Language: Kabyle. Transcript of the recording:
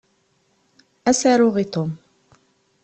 Ad as-aruɣ i Tom.